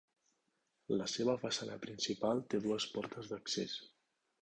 La seva façana principal té dues portes d'accés.